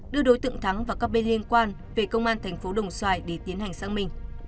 đưa đối tượng thắng và các bên liên quan về công an tp đồng xoài để tiến hành sáng minh